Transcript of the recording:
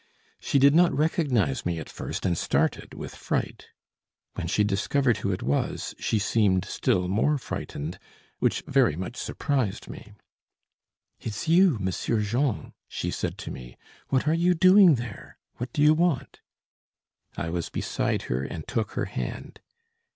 She did not recognise me, at first, and started with fright. When she discovered who it was, she seemed still more frightened, which very much surprised me. "It's you, Monsieur Jean," she said to me. "What are you doing there? What do you want?" I was beside her and took her hand.